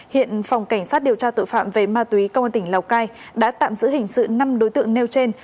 hiện phòng cảnh sát điều tra tội phạm về ma túy công an tỉnh lào cai đã tạm giữ hình sự năm đối tượng nêu trên